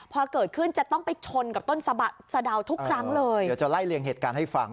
พอเกิดขึ้นจะต้องไปชนกับต้นสะดาวทุกครั้งเลยเดี๋ยวจะไล่เลี่ยงเหตุการณ์ให้ฟัง